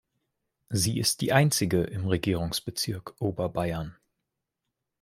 Sie ist die einzige im Regierungsbezirk Oberbayern.